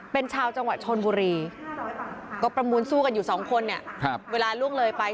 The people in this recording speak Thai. เป็นชาวจังหวัดชนบุรีก็ประมูลสู้กันอยู่สองคนเนี่ยเวลาล่วงเลยไป